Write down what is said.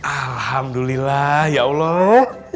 alhamdulillah ya allah